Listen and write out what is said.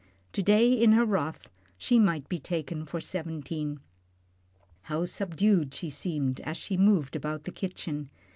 To day in her wrath, she might be taken for seventeen. How subdued she seemed as she moved about the kitchen.